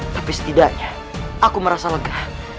tapi setidaknya aku merasa lega